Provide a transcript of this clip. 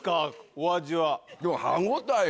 お味は。